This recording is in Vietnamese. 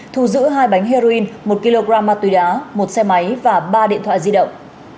thu giữ hai bánh heroin một kg ma túy đá một xe máy và ba điện thoại di động